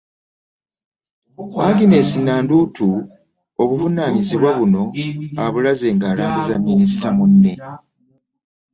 Agnes Nandutu obuvunaanyizibwa buno abulaze ng'alambuza minisita munne